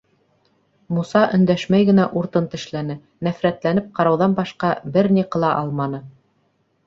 Муса өндәшмәй генә уртын тешләне, нәфрәтләнеп ҡарауҙан башҡа бер ни ҡыла алманы.